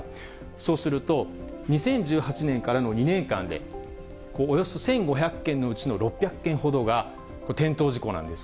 そうすると、２０１８年からの２年間でおよそ１５００件のうちの６００件ほどが転倒事故なんです。